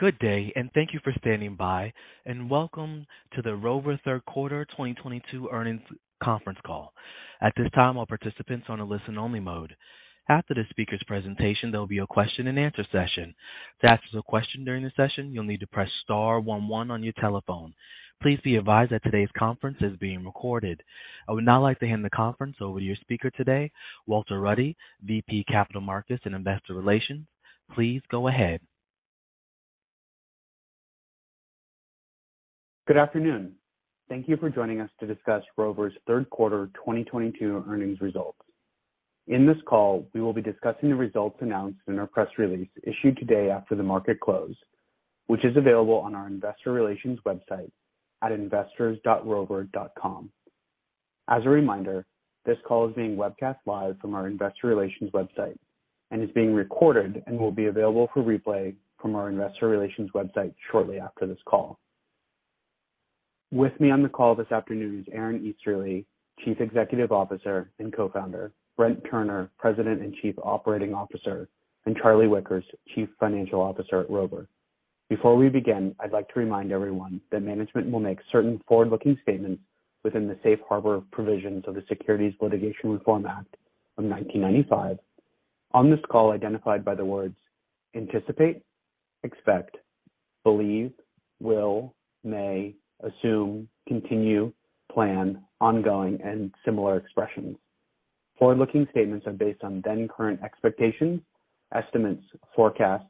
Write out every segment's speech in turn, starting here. Good day, and thank you for standing by, and welcome to the Rover Third Quarter 2022 Earnings Conference Call. At this time, all participants are on a listen only mode. After the speaker's presentation, there will be a question and answer session. To ask a question during the session, you will need to press star one one on your telephone. Please be advised that today's conference is being recorded. I would now like to hand the conference over to your speaker today, Walter Ruddy, VP Capital Markets and Investor Relations. Please go ahead. Good afternoon. Thank you for joining us to discuss Rover's Third Quarter 2022 earnings results. In this call, we will be discussing the results announced in our press release issued today after the market close, which is available on our investor relations website at investors.rover.com. As a reminder, this call is being webcast live from our investor relations website and is being recorded and will be available for replay from our investor relations website shortly after this call. With me on the call this afternoon is Aaron Easterly, Chief Executive Officer and Co-founder, Brent Turner, President and Chief Operating Officer, and Charlie Wickers, Chief Financial Officer at Rover. Before we begin, I would like to remind everyone that management will make certain forward-looking statements within the safe harbor provisions of the Securities Litigation Reform Act of 1995. On this call, identified by the words anticipate, expect, believe, will, may, assume, continue, plan, ongoing, and similar expressions. Forward-looking statements are based on then current expectations, estimates, forecasts,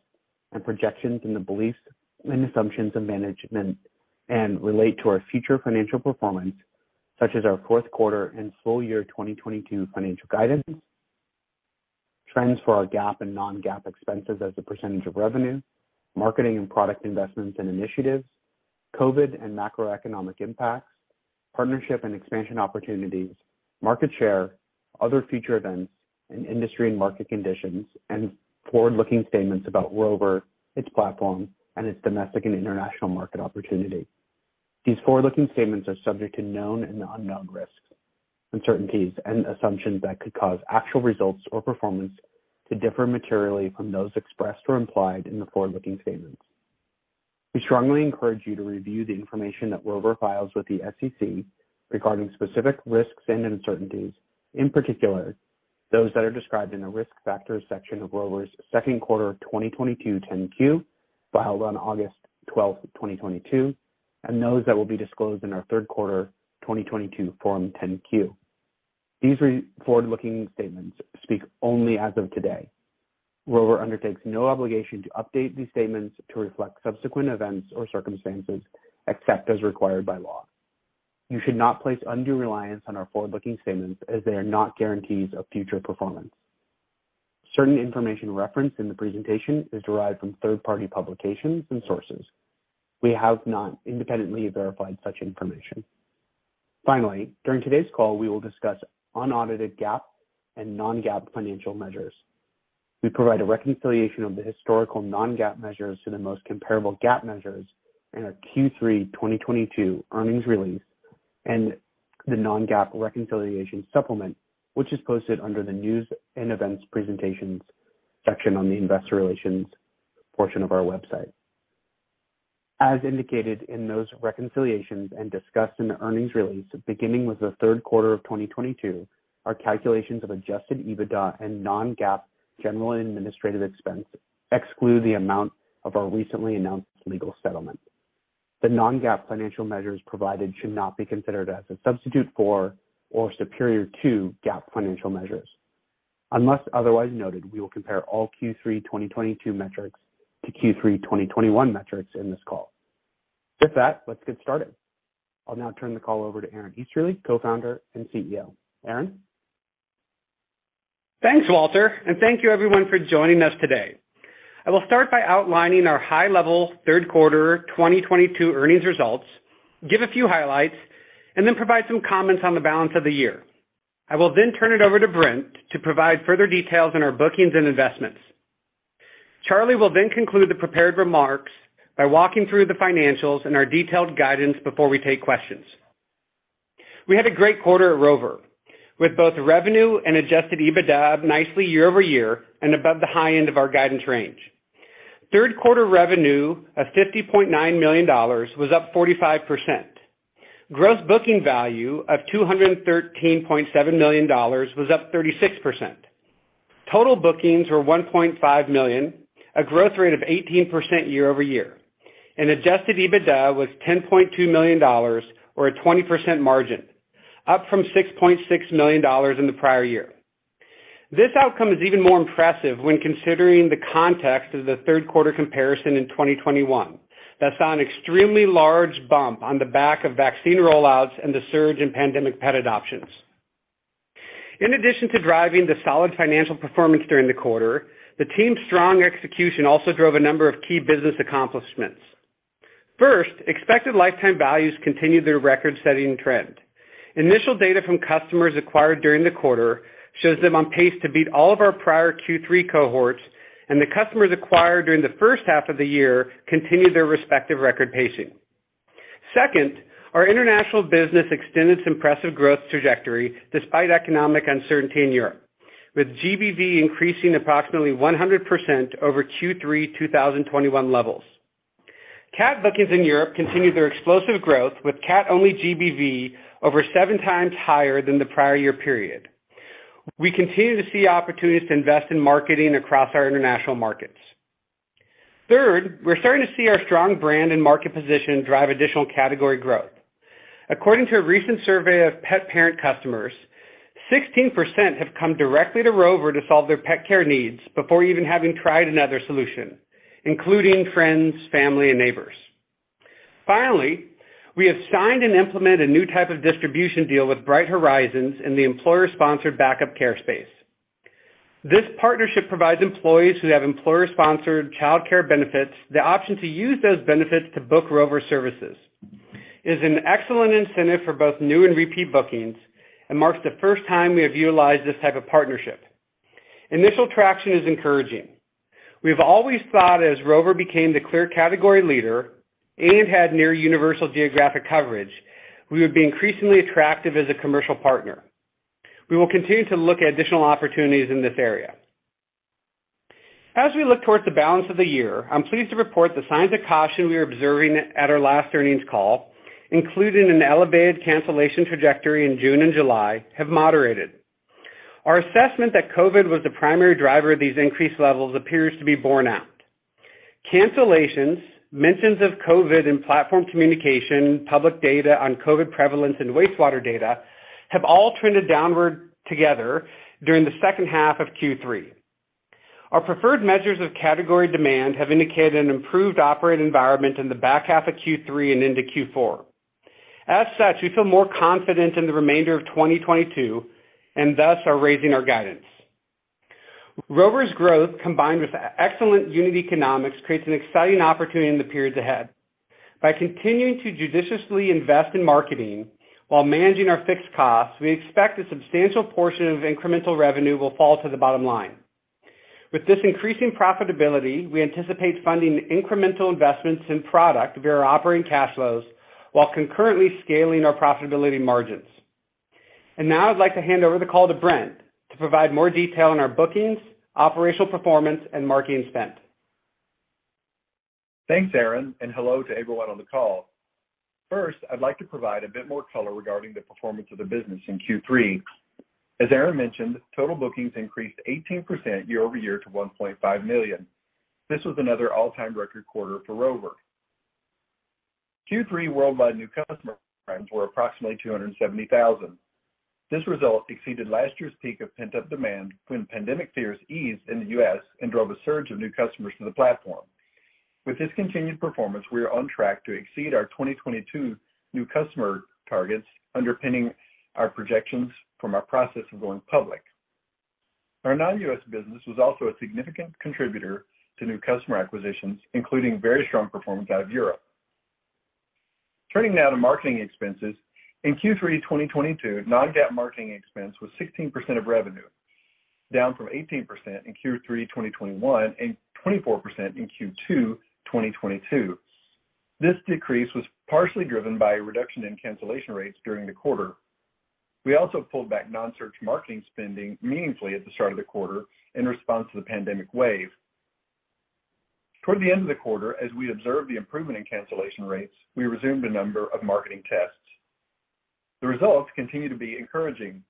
and projections in the beliefs and assumptions of management and relate to our future financial performance, such as our Fourth Quarter and full year 2022 financial guidance, trends for our GAAP and non-GAAP expenses as a percentage of revenue, marketing and product investments and initiatives, COVID and macroeconomic impacts, partnership and expansion opportunities, market share, other future events, and industry and market conditions, and forward-looking statements about Rover, its platform, and its domestic and international market opportunity. These forward-looking statements are subject to known and unknown risks, uncertainties, and assumptions that could cause actual results or performance to differ materially from those expressed or implied in the forward-looking statements. We strongly encourage you to review the information that Rover files with the SEC regarding specific risks and uncertainties, in particular, those that are described in the Risk Factors section of Rover's Second Quarter 2022 10-Q, filed on August 12th, 2022, and those that will be disclosed in our Third Quarter 2022 Form 10-Q. These forward-looking statements speak only as of today. Rover undertakes no obligation to update these statements to reflect subsequent events or circumstances, except as required by law. You should not place undue reliance on our forward-looking statements, as they are not guarantees of future performance. Certain information referenced in the presentation is derived from third-party publications and sources. We have not independently verified such information. Finally, during today's call, we will discuss unaudited GAAP and non-GAAP financial measures. We provide a reconciliation of the historical non-GAAP measures to the most comparable GAAP measures in our Q3 2022 earnings release and the non-GAAP reconciliation supplement, which is posted under the News and Events Presentations section on the investor relations portion of our website. As indicated in those reconciliations and discussed in the earnings release, beginning with the third quarter of 2022, our calculations of adjusted EBITDA and non-GAAP general administrative expense exclude the amount of our recently announced legal settlement. The non-GAAP financial measures provided should not be considered as a substitute for or superior to GAAP financial measures. Unless otherwise noted, we will compare all Q3 2022 metrics to Q3 2021 metrics in this call. With that, let's get started. I'll now turn the call over to Aaron Easterly, Co-founder and CEO. Aaron? Thanks, Walter. Thank you everyone for joining us today. I will start by outlining our high-level third quarter 2022 earnings results, give a few highlights, and then provide some comments on the balance of the year. I will turn it over to Brent to provide further details on our bookings and investments. Charlie will conclude the prepared remarks by walking through the financials and our detailed guidance before we take questions. We had a great quarter at Rover, with both revenue and adjusted EBITDA up nicely year-over-year and above the high end of our guidance range. Third quarter revenue of $50.9 million was up 45%. Gross booking value of $213.7 million was up 36%. Total bookings were 1.5 million, a growth rate of 18% year-over-year. Adjusted EBITDA was $10.2 million, or a 20% margin, up from $6.6 million in the prior year. This outcome is even more impressive when considering the context of the third quarter comparison in 2021. That saw an extremely large bump on the back of vaccine rollouts and the surge in pandemic pet adoptions. In addition to driving the solid financial performance during the quarter, the team's strong execution also drove a number of key business accomplishments. First, expected lifetime values continued their record-setting trend. Initial data from customers acquired during the quarter shows them on pace to beat all of our prior Q3 cohorts, and the customers acquired during the first half of the year continued their respective record pacing. Second, our international business extended its impressive growth trajectory despite economic uncertainty in Europe, with GBV increasing approximately 100% over Q3 2021 levels. Cat bookings in Europe continued their explosive growth with cat-only GBV over seven times higher than the prior year period. We continue to see opportunities to invest in marketing across our international markets. Third, we're starting to see our strong brand and market position drive additional category growth. According to a recent survey of pet parent customers, 16% have come directly to Rover to solve their pet care needs before even having tried another solution, including friends, family, and neighbors. Finally, we have signed and implemented a new type of distribution deal with Bright Horizons in the employer-sponsored backup care space. This partnership provides employees who have employer-sponsored childcare benefits the option to use those benefits to book Rover services. It is an excellent incentive for both new and repeat bookings and marks the first time we have utilized this type of partnership. Initial traction is encouraging. We've always thought as Rover became the clear category leader and had near universal geographic coverage, we would be increasingly attractive as a commercial partner. We will continue to look at additional opportunities in this area. As we look towards the balance of the year, I'm pleased to report the signs of caution we were observing at our last earnings call, including an elevated cancellation trajectory in June and July, have moderated. Our assessment that COVID was the primary driver of these increased levels appears to be borne out. Cancellations, mentions of COVID in platform communication, public data on COVID prevalence, and wastewater data have all trended downward together during the second half of Q3. Our preferred measures of category demand have indicated an improved operating environment in the back half of Q3 and into Q4. As such, we feel more confident in the remainder of 2022 and thus are raising our guidance. Rover's growth, combined with excellent unit economics, creates an exciting opportunity in the periods ahead. By continuing to judiciously invest in marketing while managing our fixed costs, we expect a substantial portion of incremental revenue will fall to the bottom line. With this increasing profitability, we anticipate funding incremental investments in product via our operating cash flows while concurrently scaling our profitability margins. Now I'd like to hand over the call to Brent to provide more detail on our bookings, operational performance, and marketing spend. Thanks, Aaron, and hello to everyone on the call. First, I'd like to provide a bit more color regarding the performance of the business in Q3. As Aaron mentioned, total bookings increased 18% year-over-year to $1.5 million. This was another all-time record quarter for Rover. Q3 worldwide new customer frames were approximately 270,000. This result exceeded last year's peak of pent-up demand when pandemic fears eased in the U.S. and drove a surge of new customers to the platform. With this continued performance, we are on track to exceed our 2022 new customer targets, underpinning our projections from our process of going public. Our non-U.S. business was also a significant contributor to new customer acquisitions, including very strong performance out of Europe. Turning now to marketing expenses. In Q3 2022, non-GAAP marketing expense was 16% of revenue, down from 18% in Q3 2021 and 24% in Q2 2022. This decrease was partially driven by a reduction in cancellation rates during the quarter. We also pulled back non-search marketing spending meaningfully at the start of the quarter in response to the pandemic wave. Toward the end of the quarter, as we observed the improvement in cancellation rates, we resumed a number of marketing tests. The results continue to be encouraging.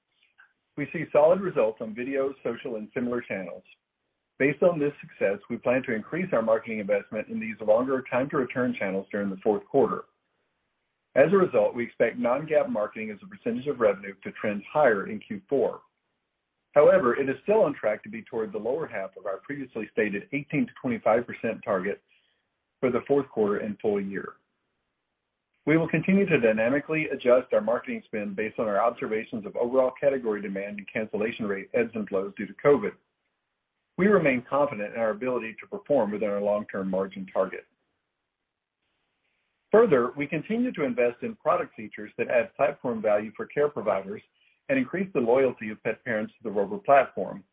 We see solid results on video, social, and similar channels. Based on this success, we plan to increase our marketing investment in these longer time to return channels during the fourth quarter. As a result, we expect non-GAAP marketing as a percentage of revenue to trend higher in Q4. However, it is still on track to be toward the lower half of our previously stated 18%-25% target for the fourth quarter and full year. We will continue to dynamically adjust our marketing spend based on our observations of overall category demand and cancellation rate ebbs and flows due to COVID. We remain confident in our ability to perform within our long-term margin target. Further, we continue to invest in product features that add platform value for care providers and increase the loyalty of pet parents to the Rover platform.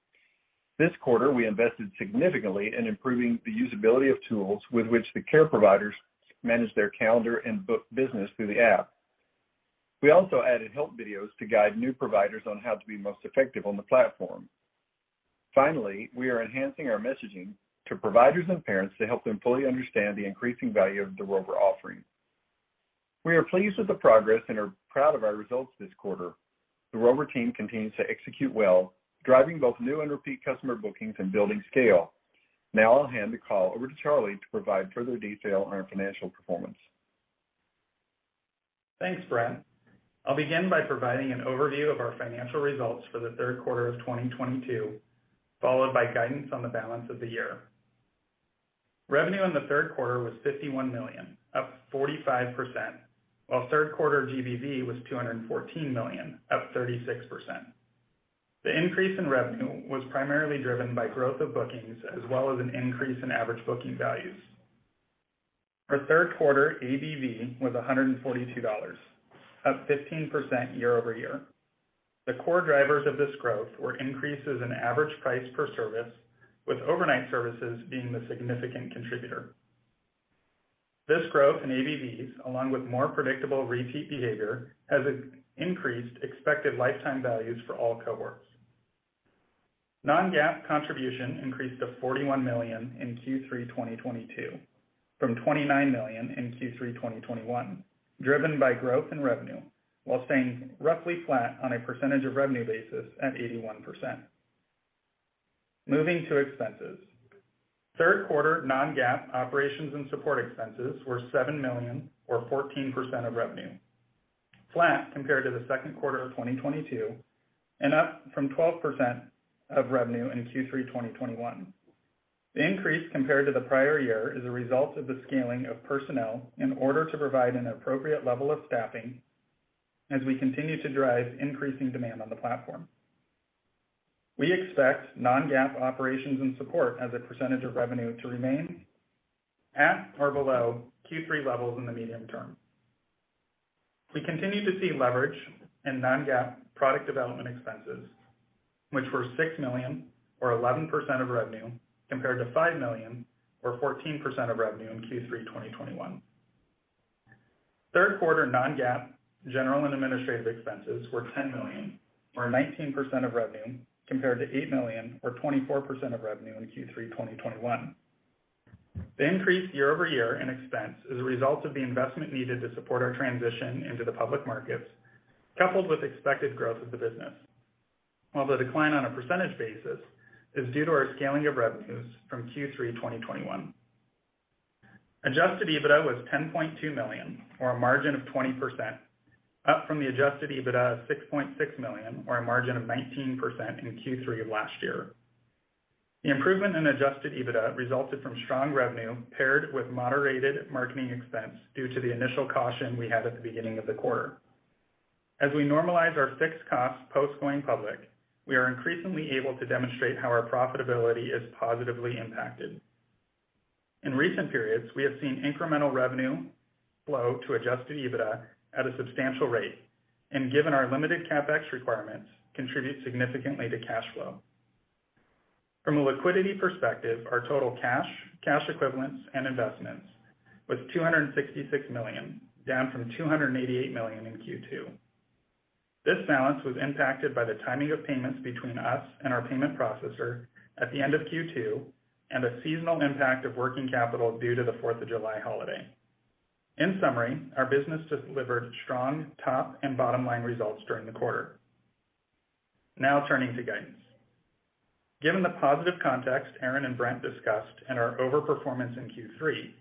This quarter, we invested significantly in improving the usability of tools with which the care providers manage their calendar and book business through the app. We also added help videos to guide new providers on how to be most effective on the platform. Finally, we are enhancing our messaging to providers and parents to help them fully understand the increasing value of the Rover offering. We are pleased with the progress and are proud of our results this quarter. The Rover team continues to execute well, driving both new and repeat customer bookings and building scale. I'll hand the call over to Charlie to provide further detail on our financial performance. Thanks, Brent. I'll begin by providing an overview of our financial results for the third quarter of 2022, followed by guidance on the balance of the year. Revenue in the third quarter was $51 million, up 45%, while third quarter GBV was $214 million, up 36%. The increase in revenue was primarily driven by growth of bookings as well as an increase in average booking values. Our third quarter ABV was $142, up 15% year-over-year. The core drivers of this growth were increases in average price per service, with overnight services being the significant contributor. This growth in ABVs, along with more predictable repeat behavior, has increased expected lifetime values for all cohorts. Non-GAAP contribution increased to $41 million in Q3 2022 from $29 million in Q3 2021, driven by growth in revenue while staying roughly flat on a percentage of revenue basis at 81%. Moving to expenses. Third quarter non-GAAP operations and support expenses were $7 million or 14% of revenue, flat compared to the second quarter of 2022 and up from 12% of revenue in Q3 2021. The increase compared to the prior year is a result of the scaling of personnel in order to provide an appropriate level of staffing as we continue to drive increasing demand on the platform. We expect non-GAAP operations and support as a percentage of revenue to remain at or below Q3 levels in the medium term. We continue to see leverage in non-GAAP product development expenses, which were $6 million or 11% of revenue, compared to $5 million or 14% of revenue in Q3 2021. Third quarter non-GAAP general and administrative expenses were $10 million or 19% of revenue, compared to $8 million or 24% of revenue in Q3 2021. The increase year-over-year in expense is a result of the investment needed to support our transition into the public markets, coupled with expected growth of the business. While the decline on a percentage basis is due to our scaling of revenues from Q3 2021. Adjusted EBITDA was $10.2 million or a margin of 20%, up from the Adjusted EBITDA of $6.6 million or a margin of 19% in Q3 of last year. The improvement in Adjusted EBITDA resulted from strong revenue paired with moderated marketing expense due to the initial caution we had at the beginning of the quarter. As we normalize our fixed costs post-going public, we are increasingly able to demonstrate how our profitability is positively impacted. In recent periods, we have seen incremental revenue flow to Adjusted EBITDA at a substantial rate, and given our limited CapEx requirements, contribute significantly to cash flow. From a liquidity perspective, our total cash equivalents and investments was $266 million, down from $288 million in Q2. This balance was impacted by the timing of payments between us and our payment processor at the end of Q2 and the seasonal impact of working capital due to the Fourth of July holiday. In summary, our business delivered strong top and bottom line results during the quarter. Now turning to guidance. Given the positive context Aaron and Brent discussed and our over-performance in Q3,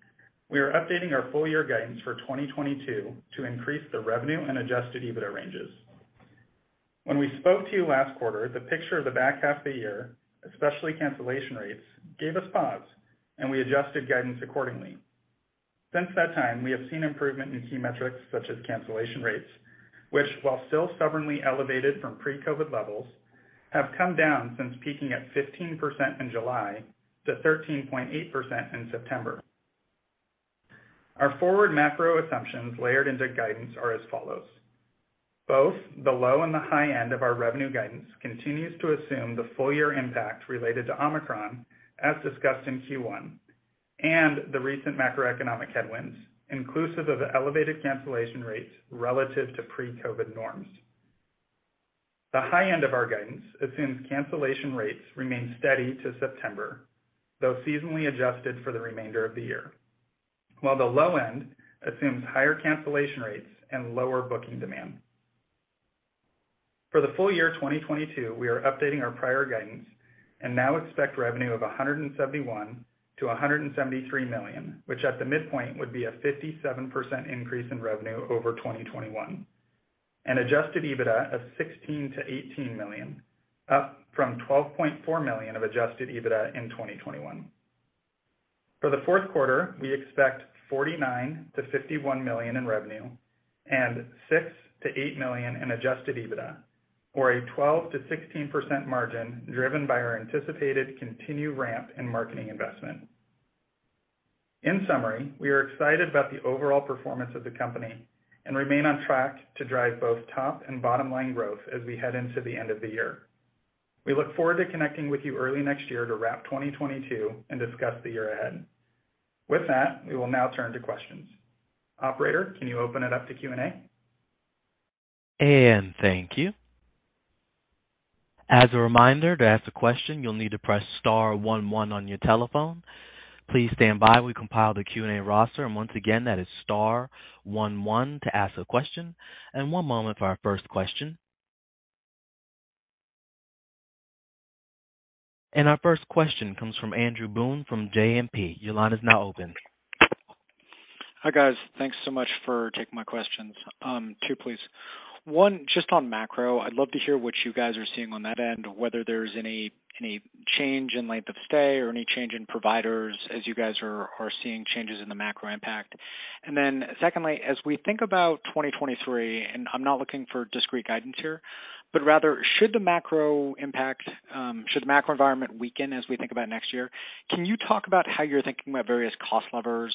we are updating our full year guidance for 2022 to increase the revenue and Adjusted EBITDA ranges. When we spoke to you last quarter, the picture of the back half of the year, especially cancellation rates, gave us pause and we adjusted guidance accordingly. Since that time, we have seen improvement in key metrics such as cancellation rates, which while still stubbornly elevated from pre-COVID levels, have come down since peaking at 15% in July to 13.8% in September. Our forward macro assumptions layered into guidance are as follows. Both the low and the high end of our revenue guidance continues to assume the full year impact related to Omicron, as discussed in Q1, and the recent macroeconomic headwinds, inclusive of the elevated cancellation rates relative to pre-COVID norms. The high end of our guidance assumes cancellation rates remain steady to September, though seasonally adjusted for the remainder of the year, while the low end assumes higher cancellation rates and lower booking demand. For the full year 2022, we are updating our prior guidance and now expect revenue of $171 million-$173 million, which at the midpoint would be a 57% increase in revenue over 2021, and Adjusted EBITDA of $16 million-$18 million, up from $12.4 million of Adjusted EBITDA in 2021. For the fourth quarter, we expect $49 million-$51 million in revenue and $6 million-$8 million in Adjusted EBITDA, or a 12%-16% margin driven by our anticipated continued ramp in marketing investment. In summary, we are excited about the overall performance of the company and remain on track to drive both top and bottom line growth as we head into the end of the year. We look forward to connecting with you early next year to wrap 2022 and discuss the year ahead. With that, we will now turn to questions. Operator, can you open it up to Q&A? Thank you. As a reminder, to ask a question, you'll need to press star 11 on your telephone. Please stand by. We compile the Q&A roster, and once again, that is star 11 to ask a question. One moment for our first question. Our first question comes from Andrew Boone from JMP. Your line is now open. Hi, guys. Thanks so much for taking my questions. Two, please. One, just on macro. I'd love to hear what you guys are seeing on that end, whether there's any change in length of stay or any change in providers as you guys are seeing changes in the macro impact. Secondly, as we think about 2023, and I'm not looking for discrete guidance here, but rather should the macro impact, should the macro environment weaken as we think about next year, can you talk about how you're thinking about various cost levers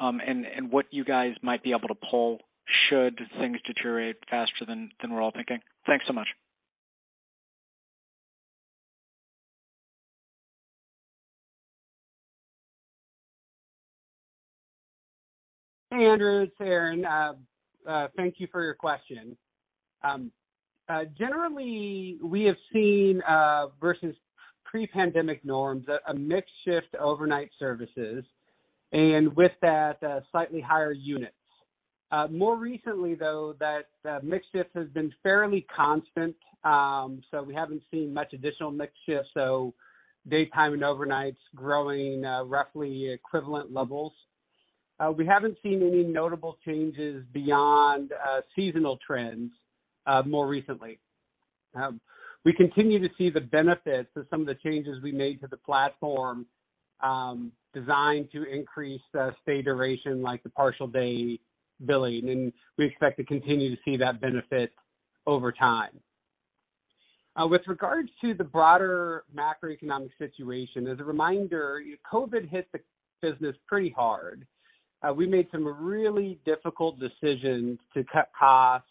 and what you guys might be able to pull should things deteriorate faster than we're all thinking? Thanks so much. Hey, Andrew. It's Aaron. Thank you for your question. Generally, we have seen versus pre-pandemic norms, a mix shift to overnight services, and with that, slightly higher units. More recently, though, that mix shift has been fairly constant, so we haven't seen much additional mix shift, so daytime and overnight growing roughly equivalent levels. We haven't seen any notable changes beyond seasonal trends more recently. We continue to see the benefits of some of the changes we made to the platform designed to increase stay duration, like the partial day billing, and we expect to continue to see that benefit over time. With regards to the broader macroeconomic situation, as a reminder, COVID hit the business pretty hard. We made some really difficult decisions to cut costs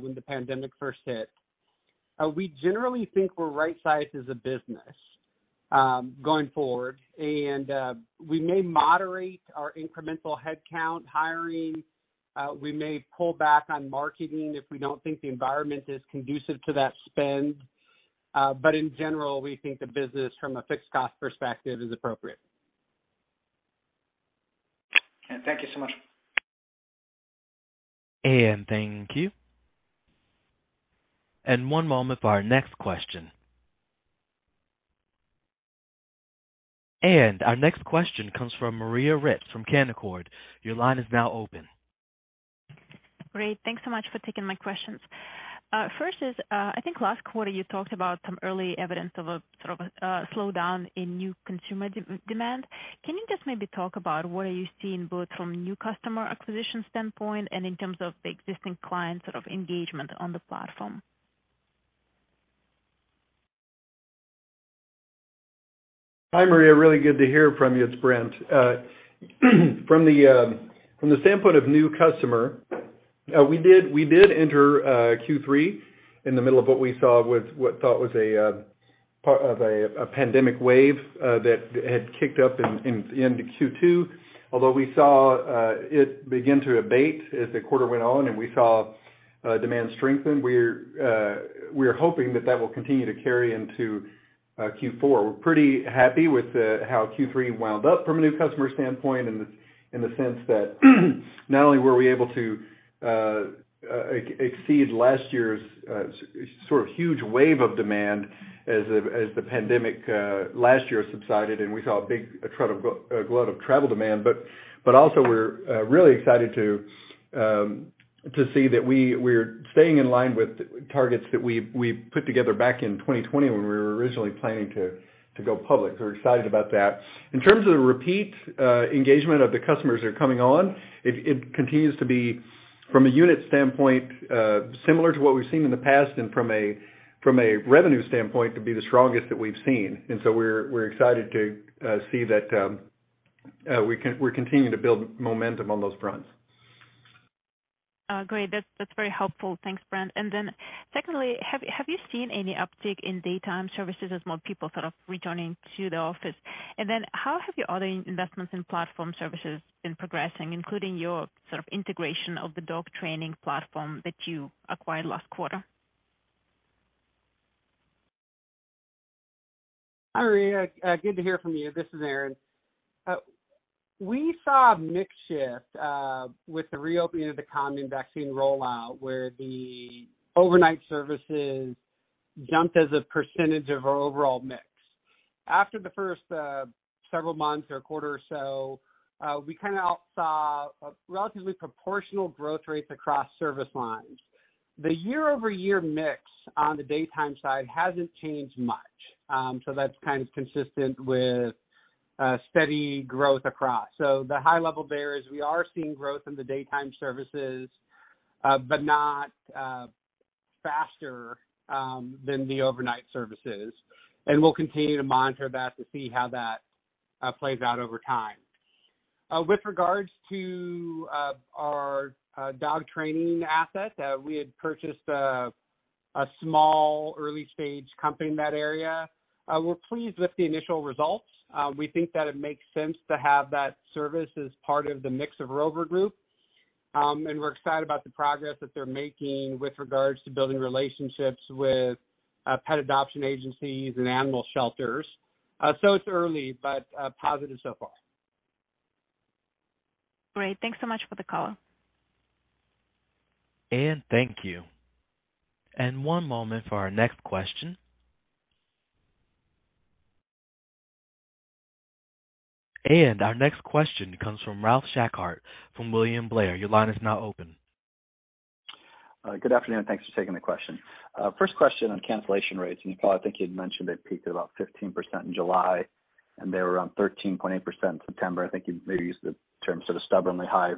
when the pandemic first hit. We generally think we're right-sized as a business going forward, and we may moderate our incremental headcount hiring. We may pull back on marketing if we don't think the environment is conducive to that spend. In general, we think the business from a fixed cost perspective is appropriate. Thank you so much. Thank you. One moment for our next question. Our next question comes from Maria Ripps from Canaccord. Your line is now open. Great. Thanks so much for taking my questions. First is, I think last quarter you talked about some early evidence of a sort of a slowdown in new consumer demand. Can you just maybe talk about what are you seeing both from new customer acquisition standpoint and in terms of the existing client sort of engagement on the platform? Hi, Maria. Really good to hear from you. It's Brent. From the standpoint of new customer, we did enter Q3 in the middle of what we thought was a part of a pandemic wave that had kicked up in Q2. Although we saw it begin to abate as the quarter went on, we saw demand strengthen. We are hoping that that will continue to carry into Q4. We're pretty happy with how Q3 wound up from a new customer standpoint in the sense that not only were we able to exceed last year's sort of huge wave of demand as the pandemic last year subsided, we saw a big glut of travel demand, but also we're really excited to see that we're staying in line with targets that we put together back in 2020, when we were originally planning to go public. We're excited about that. In terms of the repeat engagement of the customers that are coming on, it continues to be from a unit standpoint, similar to what we've seen in the past, from a revenue standpoint to be the strongest that we've seen. We're excited to see that we're continuing to build momentum on those fronts. Great. That's very helpful. Thanks, Brent. Secondly, have you seen any uptick in daytime services as more people sort of returning to the office? How have your other investments in platform services been progressing, including your sort of integration of the dog training platform that you acquired last quarter? Hi, Maria. Good to hear from you. This is Aaron. We saw a mix shift with the reopening of the economy and vaccine rollout, where the overnight services jumped as a percentage of our overall mix. After the first several months or a quarter or so, we kind of saw relatively proportional growth rates across service lines. The year-over-year mix on the daytime side hasn't changed much. That's kind of consistent with steady growth across. The high level there is we are seeing growth in the daytime services, but not faster than the overnight services, and we'll continue to monitor that to see how that plays out over time. With regards to our dog training asset, we had purchased a small early-stage company in that area. We're pleased with the initial results. We think that it makes sense to have that service as part of the mix of Rover Group, and we're excited about the progress that they're making with regards to building relationships with pet adoption agencies and animal shelters. It's early, but positive so far. Great. Thanks so much for the call. Thank you. One moment for our next question. Our next question comes from Ralph Schackart from William Blair. Your line is now open. Good afternoon. Thanks for taking the question. First question on cancellation rates. Paul, I think you'd mentioned they peaked at about 15% in July, and they were around 13.8% in September. I think you maybe used the term sort of stubbornly high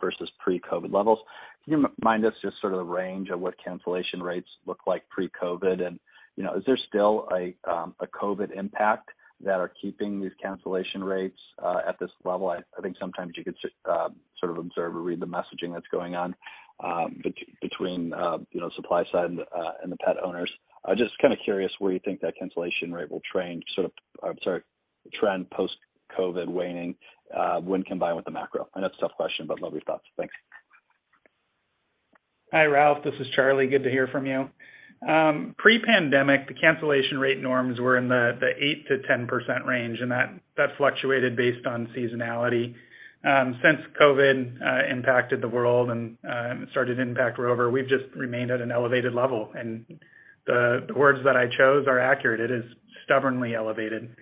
versus pre-COVID levels. Can you remind us just sort of the range of what cancellation rates looked like pre-COVID? Is there still a COVID impact that are keeping these cancellation rates at this level? I think sometimes you could sort of observe or read the messaging that's going on between supply side and the pet owners. Just kind of curious where you think that cancellation rate will trend post-COVID waning when combined with the macro. I know it's a tough question, love your thoughts. Thanks. Hi, Ralph. This is Charlie. Good to hear from you. Pre-pandemic, the cancellation rate norms were in the 8%-10% range, and that fluctuated based on seasonality. Since COVID impacted the world and started to impact Rover, we've just remained at an elevated level, and the words that I chose are accurate. It is stubbornly elevated.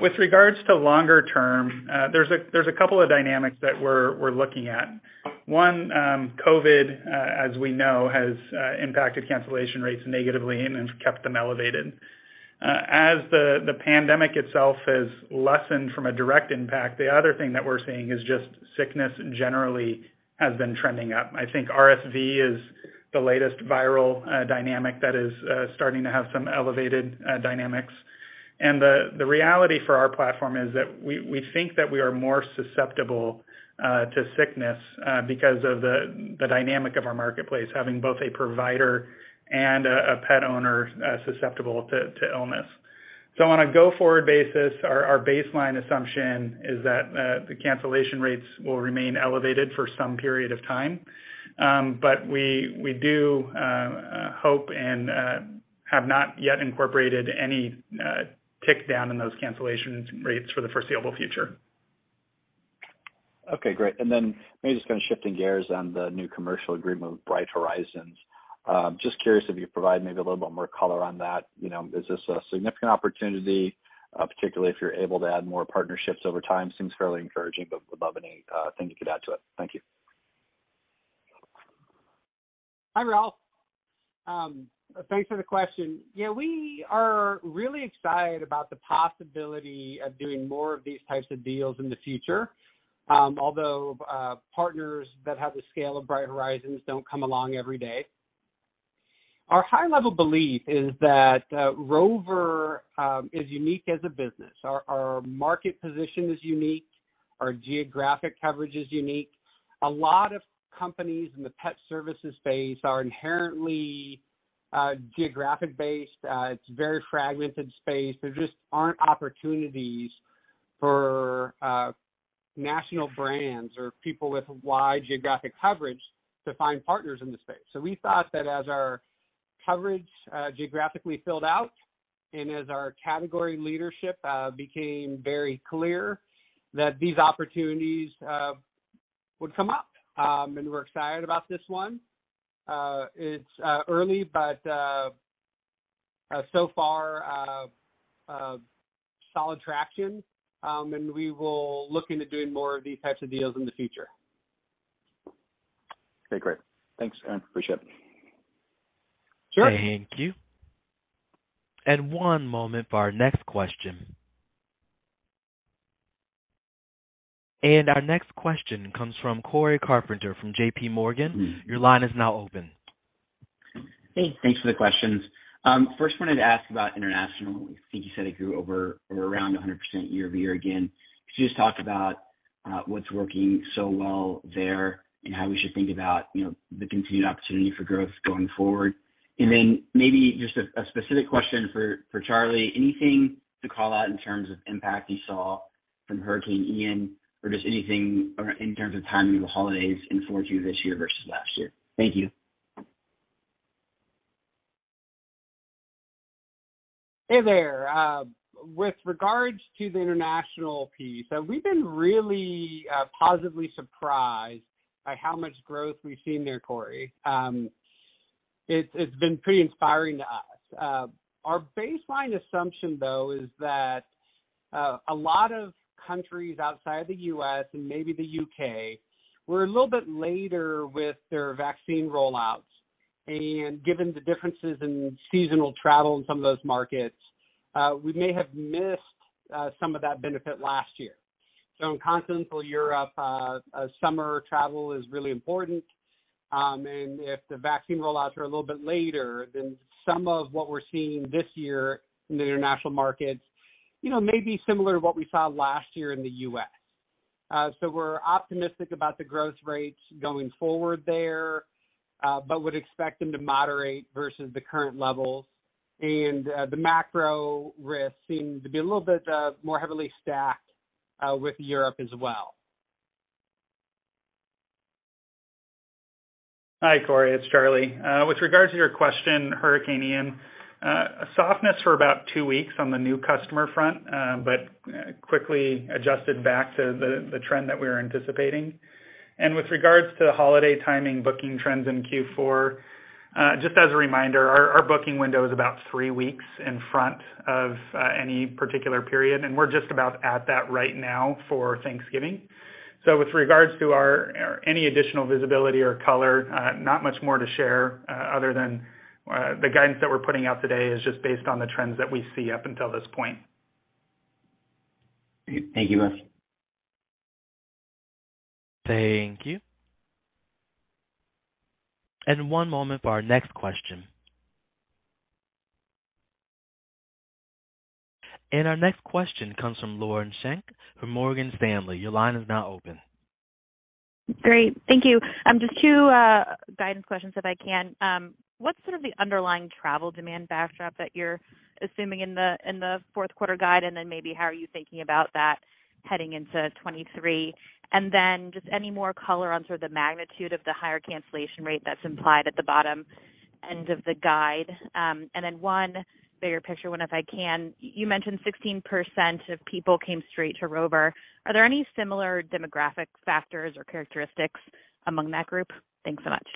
With regards to longer term, there's a couple of dynamics that we're looking at. One, COVID, as we know, has impacted cancellation rates negatively and has kept them elevated. As the pandemic itself has lessened from a direct impact, the other thing that we're seeing is just sickness generally has been trending up. I think RSV is the latest viral dynamic that is starting to have some elevated dynamics. The reality for our platform is that we think that we are more susceptible to sickness because of the dynamic of our marketplace, having both a provider and a pet owner susceptible to illness. On a go-forward basis, our baseline assumption is that the cancellation rates will remain elevated for some period of time. We do hope and have not yet incorporated any tick down in those cancellation rates for the foreseeable future. Okay, great. Maybe just kind of shifting gears on the new commercial agreement with Bright Horizons. Just curious if you could provide maybe a little bit more color on that. Is this a significant opportunity, particularly if you're able to add more partnerships over time? Seems fairly encouraging, but would love anything you could add to it. Thank you. Hi, Ralph. Thanks for the question. We are really excited about the possibility of doing more of these types of deals in the future. Although partners that have the scale of Bright Horizons don't come along every day. Our high-level belief is that Rover is unique as a business. Our market position is unique. Our geographic coverage is unique. A lot of companies in the pet services space are inherently geographic based. It's a very fragmented space. There just aren't opportunities for national brands or people with wide geographic coverage to find partners in the space. We thought that as our coverage geographically filled out, and as our category leadership became very clear, that these opportunities would come up, and we're excited about this one. It's early but so far solid traction, and we will look into doing more of these types of deals in the future. Okay, great. Thanks, Aaron. Appreciate it. Sure. Thank you. One moment for our next question. Our next question comes from Cory Carpenter from J.P. Morgan. Your line is now open. Hey, thanks for the questions. First wanted to ask about international. I think you said it grew over or around 100% year-over-year again. Could you just talk about what's working so well there and how we should think about the continued opportunity for growth going forward? Then maybe just a specific question for Charlie, anything to call out in terms of impact you saw from Hurricane Ian or just anything in terms of timing of the holidays in 4Q this year versus last year? Thank you. Hey there. With regards to the international piece, we've been really positively surprised by how much growth we've seen there, Cory. It's been pretty inspiring to us. Our baseline assumption, though, is that a lot of countries outside the U.S. and maybe the U.K. were a little bit later with their vaccine rollouts, and given the differences in seasonal travel in some of those markets, we may have missed some of that benefit last year. In continental Europe, summer travel is really important, and if the vaccine rollouts are a little bit later, then some of what we're seeing this year in the international markets may be similar to what we saw last year in the U.S. We're optimistic about the growth rates going forward there, but would expect them to moderate versus the current levels. The macro risks seem to be a little bit more heavily stacked with Europe as well. Hi, Cory. It's Charlie. With regards to your question, Hurricane Ian, a softness for about two weeks on the new customer front, but quickly adjusted back to the trend that we were anticipating. With regards to holiday timing booking trends in Q4, just as a reminder, our booking window is about three weeks in front of any particular period, and we're just about at that right now for Thanksgiving. With regards to any additional visibility or color, not much more to share other than the guidance that we're putting out today is just based on the trends that we see up until this point. Thank you, guys. Thank you. One moment for our next question. Our next question comes from Lauren Schenk from Morgan Stanley. Your line is now open. Great. Thank you. Just two guidance questions if I can. What's sort of the underlying travel demand backdrop that you're assuming in the fourth quarter guide? Maybe how are you thinking about that heading into 2023? Just any more color on sort of the magnitude of the higher cancellation rate that's implied at the bottom end of the guide. One bigger picture one if I can. You mentioned 16% of people came straight to Rover. Are there any similar demographic factors or characteristics among that group? Thanks so much.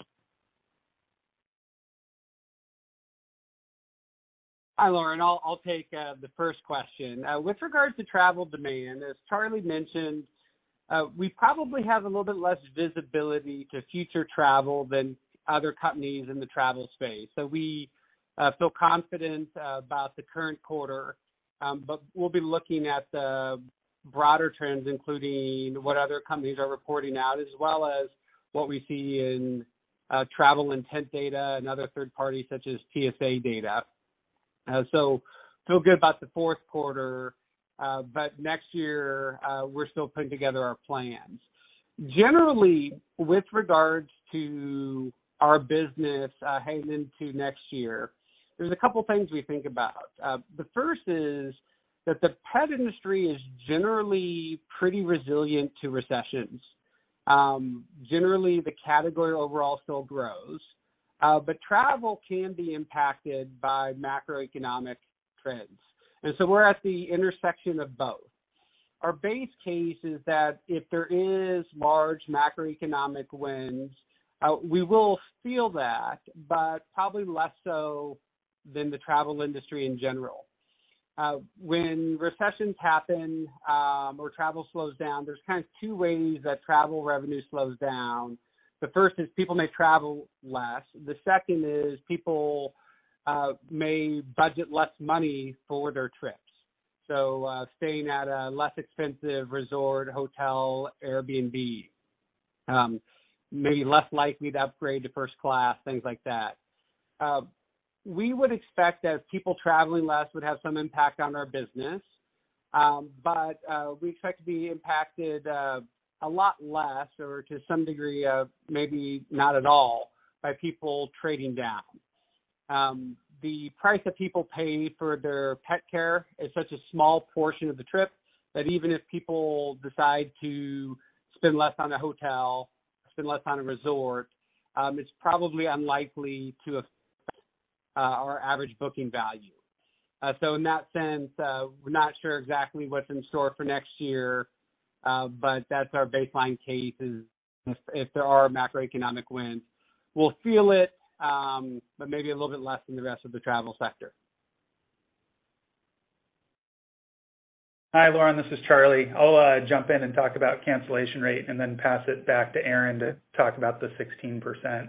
Hi, Lauren. I'll take the first question. With regards to travel demand, as Charlie mentioned, we probably have a little bit less visibility to future travel than other companies in the travel space. We feel confident about the current quarter, but we'll be looking at the broader trends, including what other companies are reporting out, as well as what we see in travel intent data and other third parties such as TSA data. Feel good about the fourth quarter, but next year, we're still putting together our plans. Generally, with regards to our business heading into next year, there's a couple things we think about. The first is that the pet industry is generally pretty resilient to recessions. Generally, the category overall still grows, but travel can be impacted by macroeconomic trends, we're at the intersection of both. Our base case is that if there is large macroeconomic winds, we will feel that, but probably less so than the travel industry in general. When recessions happen or travel slows down, there's kind of 2 ways that travel revenue slows down. The first is people may travel less. The second is people may budget less money for their trips. Staying at a less expensive resort, hotel, Airbnb. Maybe less likely to upgrade to first class, things like that. We would expect that if people traveling less would have some impact on our business, but we expect to be impacted a lot less or to some degree of maybe not at all by people trading down. The price that people pay for their pet care is such a small portion of the trip that even if people decide to spend less on a hotel, spend less on a resort, it's probably unlikely to affect our average booking value. In that sense, we're not sure exactly what's in store for next year, but that's our baseline case is if there are macroeconomic winds, we'll feel it, but maybe a little bit less than the rest of the travel sector. Hi, Lauren. This is Charlie. I'll jump in and talk about cancellation rate and then pass it back to Aaron to talk about the 16%.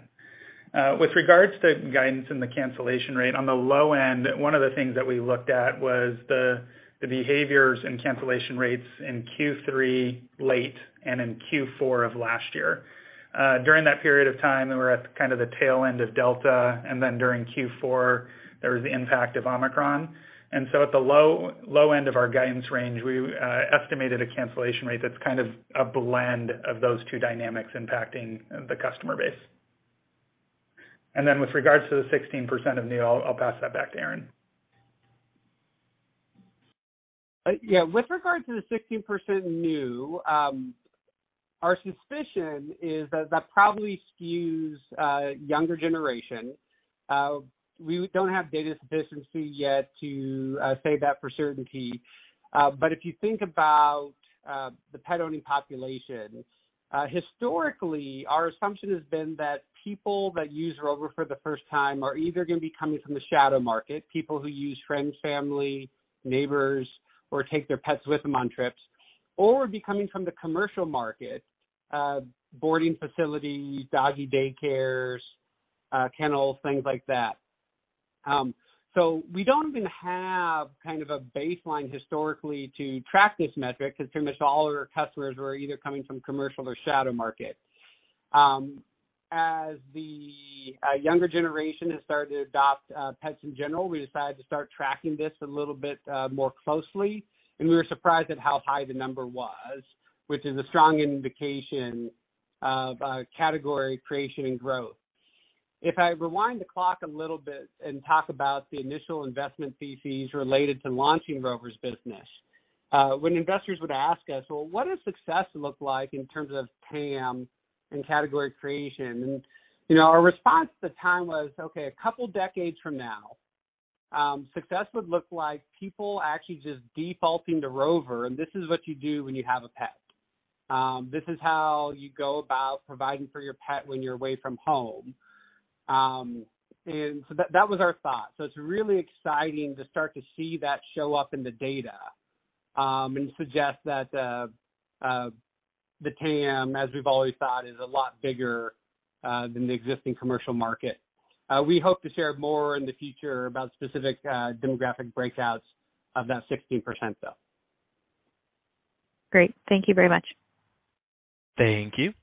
With regards to guidance and the cancellation rate, on the low end, one of the things that we looked at was the behaviors and cancellation rates in Q3 late and in Q4 of last year. During that period of time, we were at kind of the tail end of Delta. During Q4, there was the impact of Omicron. At the low end of our guidance range, we estimated a cancellation rate that's kind of a blend of those two dynamics impacting the customer base. With regards to the 16% of new, I'll pass that back to Aaron. Yeah. With regard to the 16% new, our suspicion is that probably skews younger generation. We don't have data sufficiency yet to say that for certainty. If you think about the pet-owning population, historically, our assumption has been that people that use Rover for the first time are either going to be coming from the shadow market, people who use friends, family, neighbors, or take their pets with them on trips, or be coming from the commercial market, boarding facility, doggy daycares, kennels, things like that. We don't even have kind of a baseline historically to track this metric because pretty much all of our customers were either coming from commercial or shadow market. As the younger generation has started to adopt pets in general, we decided to start tracking this a little bit more closely, and we were surprised at how high the number was, which is a strong indication of category creation and growth. If I rewind the clock a little bit and talk about the initial investment theses related to launching Rover's business, when investors would ask us, "Well, what does success look like in terms of TAM and category creation?" Our response at the time was, "Okay, a couple decades from now, success would look like people actually just defaulting to Rover, and this is what you do when you have a pet." This is how you go about providing for your pet when you're away from home. That was our thought. It's really exciting to start to see that show up in the data, and suggest that the TAM, as we've always thought, is a lot bigger than the existing commercial market. We hope to share more in the future about specific demographic breakouts of that 16% though. Great. Thank you very much. Thank you.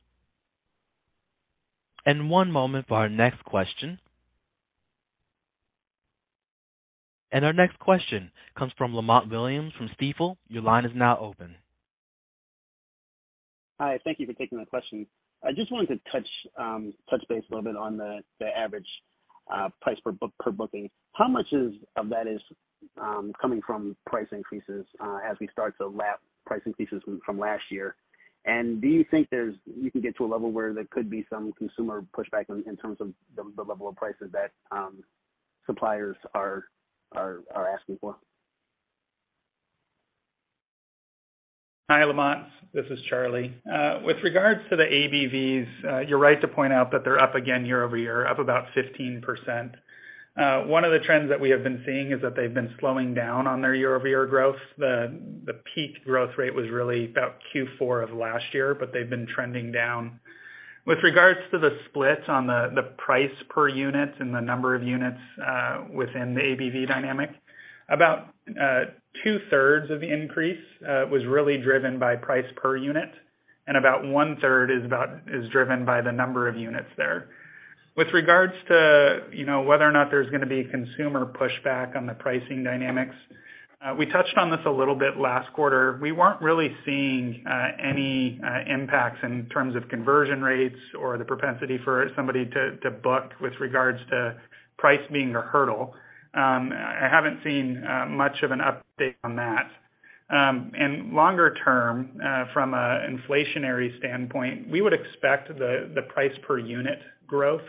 One moment for our next question. Our next question comes from Lamont Williams from Stifel. Your line is now open. Hi. Thank you for taking my question. I just wanted to touch base a little bit on the average price per booking. How much of that is coming from price increases as we start to lap price increases from last year? Do you think you can get to a level where there could be some consumer pushback in terms of the level of prices that suppliers are asking for? Hi, Lamont. This is Charlie. With regards to the ABVs, you're right to point out that they're up again year-over-year, up about 15%. One of the trends that we have been seeing is that they've been slowing down on their year-over-year growth. The peak growth rate was really about Q4 of last year, but they've been trending down. With regards to the split on the price per unit and the number of units within the ABV dynamic, about two-thirds of the increase was really driven by price per unit, and about one-third is driven by the number of units there. With regards to whether or not there's going to be consumer pushback on the pricing dynamics, we touched on this a little bit last quarter. We weren't really seeing any impacts in terms of conversion rates or the propensity for somebody to book with regards to price being a hurdle. I haven't seen much of an update on that. Longer term, from an inflationary standpoint, we would expect the price per unit growth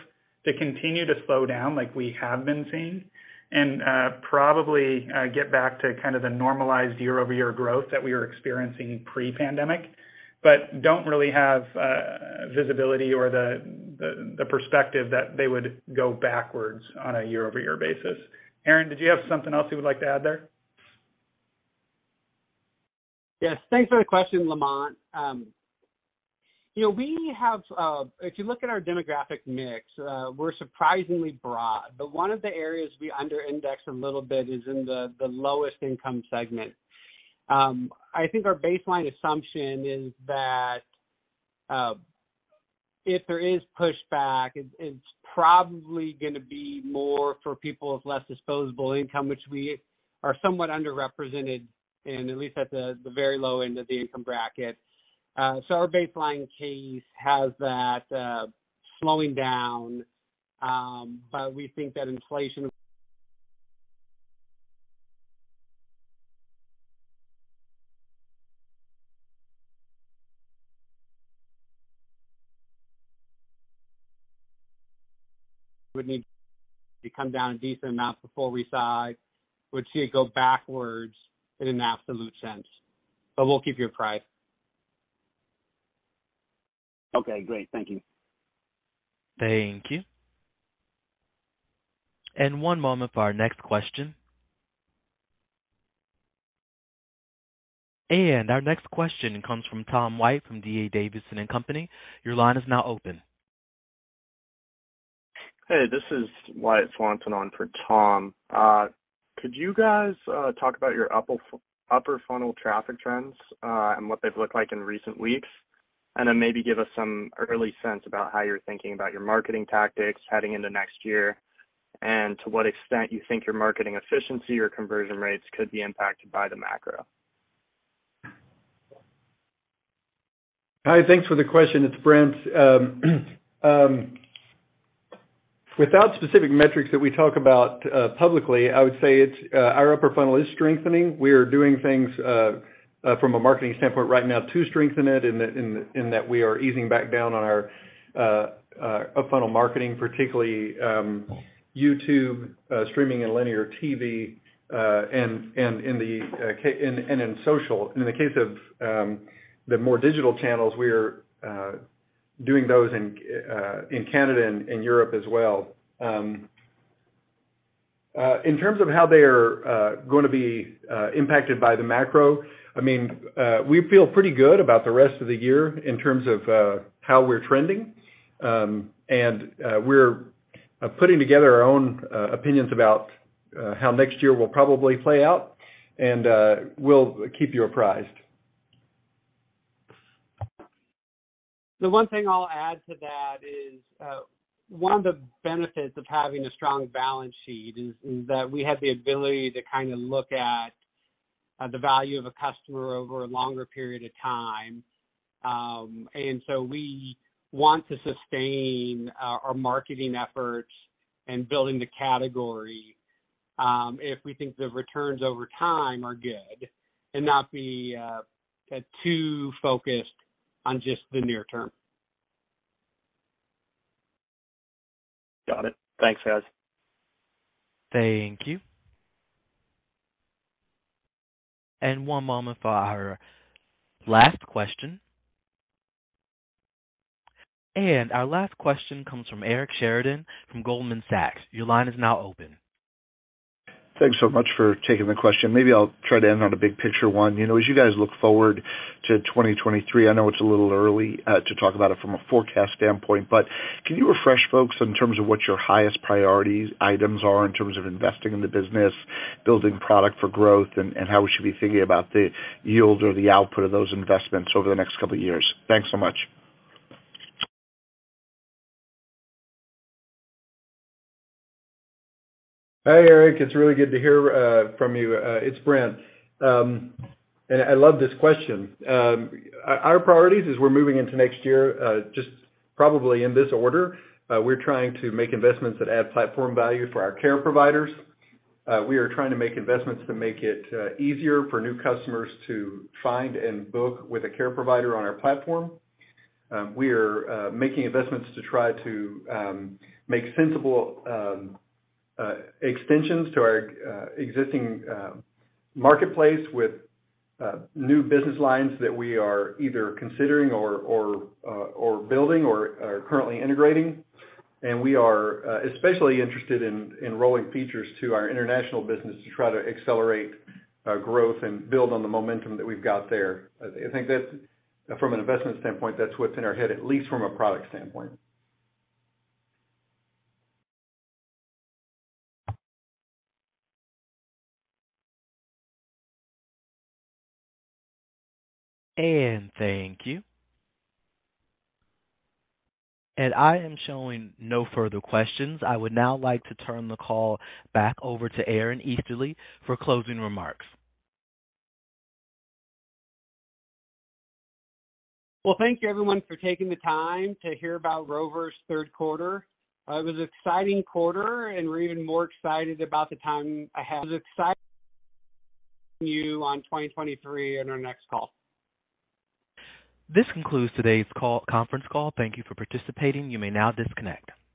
to continue to slow down like we have been seeing and probably get back to kind of the normalized year-over-year growth that we were experiencing pre-pandemic, but don't really have visibility or the perspective that they would go backwards on a year-over-year basis. Aaron, did you have something else you would like to add there? Yes. Thanks for the question, Lamont. If you look at our demographic mix, we're surprisingly broad, but one of the areas we under-index a little bit is in the lowest income segment. I think our baseline assumption is that if there is pushback, it's probably going to be more for people with less disposable income, which we are somewhat underrepresented in, at least at the very low end of the income bracket. Our baseline case has that slowing down, but we think that inflation would need to come down a decent amount before we would see it go backwards in an absolute sense. We'll keep you apprised. Okay, great. Thank you. Thank you. One moment for our next question. Our next question comes from Tom White from D.A. Davidson & Co. Your line is now open. Hey, this is Wyatt Swanson on for Tom. Could you guys talk about your upper funnel traffic trends and what they've looked like in recent weeks? Maybe give us some early sense about how you're thinking about your marketing tactics heading into next year, and to what extent you think your marketing efficiency or conversion rates could be impacted by the macro. Hi. Thanks for the question. It's Brent. Without specific metrics that we talk about publicly, I would say our upper funnel is strengthening. We are doing things from a marketing standpoint right now to strengthen it in that we are easing back down on our up funnel marketing, particularly YouTube, streaming and linear TV, and in social. In the case of the more digital channels, we are doing those in Canada and in Europe as well. In terms of how they are going to be impacted by the macro, we feel pretty good about the rest of the year in terms of how we're trending. We're putting together our own opinions about how next year will probably play out, and we'll keep you apprised. The one thing I'll add to that is, one of the benefits of having a strong balance sheet is that we have the ability to kind of look at the value of a customer over a longer period of time. We want to sustain our marketing efforts and building the category if we think the returns over time are good and not be too focused on just the near term. Got it. Thanks, guys. Thank you. One moment for our last question. Our last question comes from Eric Sheridan from Goldman Sachs. Your line is now open. Thanks so much for taking the question. Maybe I'll try to end on a big picture one. As you guys look forward to 2023, I know it's a little early to talk about it from a forecast standpoint, but can you refresh folks in terms of what your highest priority items are in terms of investing in the business, building product for growth, and how we should be thinking about the yield or the output of those investments over the next couple of years? Thanks so much. Hey, Eric. It's really good to hear from you. It's Brent. I love this question. Our priorities as we're moving into next year, just probably in this order, we're trying to make investments that add platform value for our care providers. We are trying to make investments to make it easier for new customers to find and book with a care provider on our platform. We are making investments to try to make sensible extensions to our existing marketplace with new business lines that we are either considering or building or are currently integrating. We are especially interested in rolling features to our international business to try to accelerate growth and build on the momentum that we've got there. I think that from an investment standpoint, that's what's in our head, at least from a product standpoint. Thank you. I am showing no further questions. I would now like to turn the call back over to Aaron Easterly for closing remarks. Well, thank you everyone for taking the time to hear about Rover's third quarter. It was an exciting quarter, and we're even more excited about the time ahead. It was exciting. See you on 2023 on our next call. This concludes today's conference call. Thank you for participating. You may now disconnect.